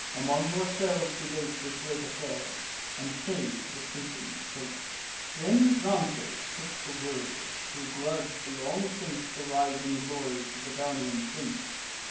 Among yourselves debate This great affair, and save the sinking state." Then Drances took the word, who grudg'd, long since, The rising glories of the Daunian prince.